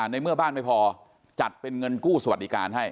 ในเมื่อบ้านไม่พอจัดเป็นเงินกู้สวัสดิการให้